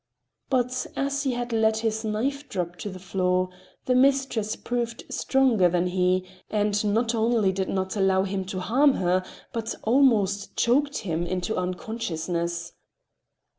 But as he had let his knife drop to the floor, the mistress proved stronger than he, and not only did not allow him to harm her, but almost choked him into unconsciousness.